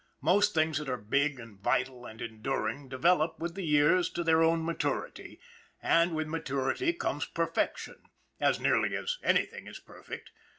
Most things that are big and vital and enduring develop with the years to their own maturity, and with maturity comes perfection as nearly as anything is perfect.